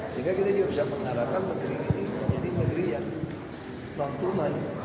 sehingga kita juga bisa mengarahkan negeri ini menjadi negeri yang non tunai